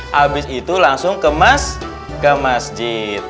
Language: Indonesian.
habis itu langsung kemas ke masjid